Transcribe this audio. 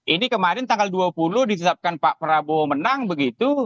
ini kemarin tanggal dua puluh ditetapkan pak prabowo menang begitu